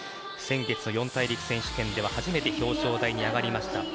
先月の四大陸選手権では初めて表彰台に上がりました。